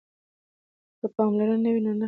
که پاملرنه وي نو خطا نه کیږي.